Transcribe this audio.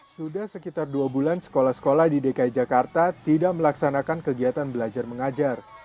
sudah sekitar dua bulan sekolah sekolah di dki jakarta tidak melaksanakan kegiatan belajar mengajar